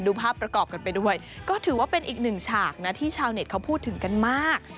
ภาพประกอบกันไปด้วยก็ถือว่าเป็นอีกหนึ่งฉากนะที่ชาวเน็ตเขาพูดถึงกันมาก